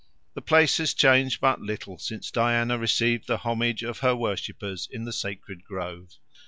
The place has changed but little since Diana received the homage of her worshippers in the sacred grove.